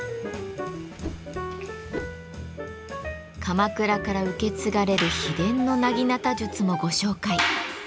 鎌倉から受け継がれる秘伝の薙刀術もご紹介。